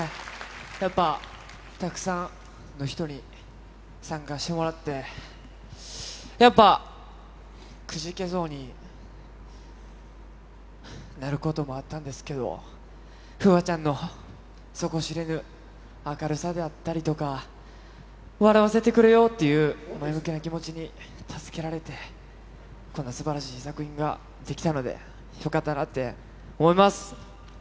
やっぱたくさんの人に参加してもらって、やっぱ、くじけそうになることもあったんですけど、楓空ちゃんの底知れぬ明るさであったりとか、笑わせてくれようっていう前向きな気持ちに助けられて、このすばらしい作品が出来たので、よかったなって思います。